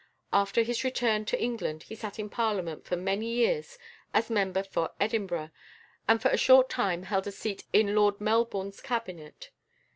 After his return to England he sat in Parliament for many years as member for Edinburgh, and for a short time held a seat in Lord Melbourne's Cabinet.